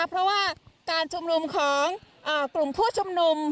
เพราะว่าการชุมนุมของกลุ่มผู้ชุมนุม